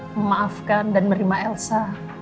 memaafkan dan merima elsa